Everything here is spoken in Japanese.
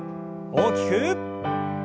大きく。